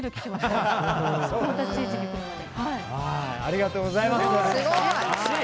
ありがとうございます。